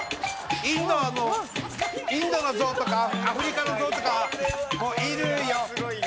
インドのゾウとかアフリカのゾウとかあるよ。